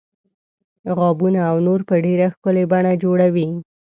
غابونه او نور په ډیره ښکلې بڼه جوړوي.